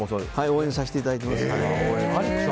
応援させていただいています。